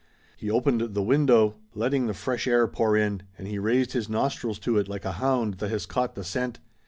He opened the window, letting the fresh air pour in, and he raised his nostrils to it like a hound that has caught the scent.